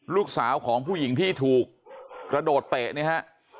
ลูกสาวของผู้หญิงที่ถูกกระโดดเตะเนี่ยฮะ